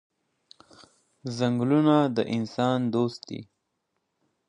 ځنګلونه د انسان دوست دي.